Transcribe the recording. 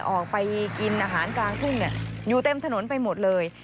ออกไปกินอาหารกลางทุ่งอยู่เต็มถนนไปหมดเลย